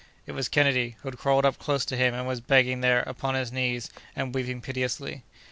It was Kennedy, who had crawled up close to him, and was begging there, upon his knees, and weeping piteously.